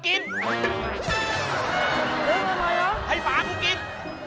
เรียกทำไมหรือให้หมาผมกิน